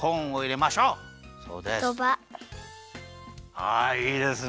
はいいいですね。